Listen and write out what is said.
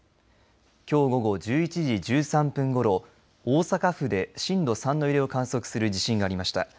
きょう午後１１時１３分ごろ大阪府で震度３の揺れを観測する地震がありました。